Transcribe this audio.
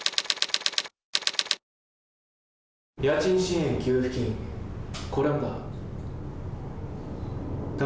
家賃支援給付金、これもだ。